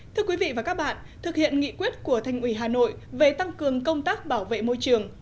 thưa quý vị và các bạn thực hiện nghị quyết của thành ủy hà nội về tăng cường công tác bảo vệ môi trường